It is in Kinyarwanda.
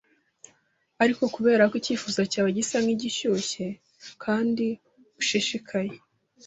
Ariko kubera ko icyifuzo cyawe gisa nkigishyushye kandi ushishikaye